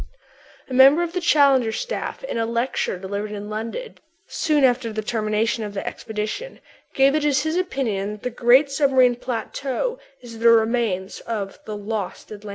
A member of the Challenger staff, in a lecture delivered in London, soon after the termination of the expedition, gave it as his opinion that the great submarine plateau is the remains of "the lost Atlantis."